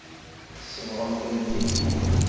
Tsebɣemt-tent-id.